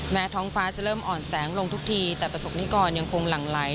ท้องฟ้าจะเริ่มอ่อนแสงลงทุกทีแต่ประสบนิกรยังคงหลั่งไหล